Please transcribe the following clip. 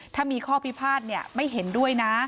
ถ้ามีข้อพิพาทไม่เห็นด้วยนะ